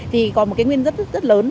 thì có một cái nguyên rất lớn